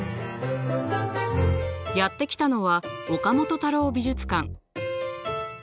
やって来たのは岡本太郎美術館。